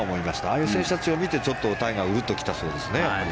ああいう選手たちを見てタイガーはウルっと来たそうですね。